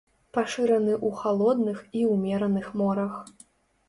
Пашыраны ў халодных і ўмераных морах.